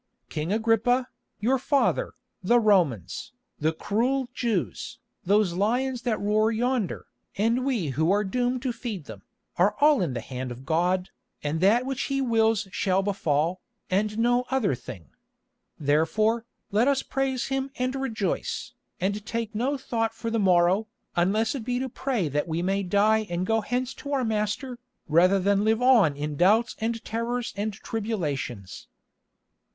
King Agrippa, your father, the Romans, the cruel Jews, those lions that roar yonder, and we who are doomed to feed them, are all in the hand of God, and that which He wills shall befall, and no other thing. Therefore, let us praise Him and rejoice, and take no thought for the morrow, unless it be to pray that we may die and go hence to our Master, rather than live on in doubts and terrors and tribulations."